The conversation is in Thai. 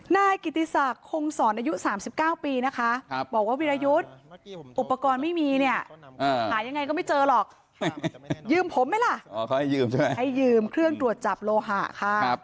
ให้ยืมเครื่องตรวจจับโลหะ